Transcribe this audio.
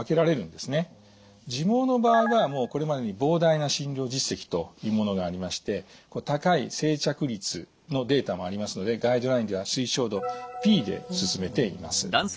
自毛の場合はもうこれまでに膨大な診療実績というものがありまして高い生着率のデータもありますのでガイドラインでは推奨度Ｂで勧めています。